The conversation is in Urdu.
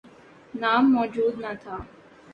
نام موجود نہ تھا۔